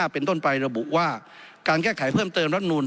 เป็นต้นไประบุว่าการแก้ไขเพิ่มเติมรัฐนูล